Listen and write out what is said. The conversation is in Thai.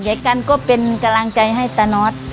เหมือนกันก็เป็นกำลังใจให้ตนท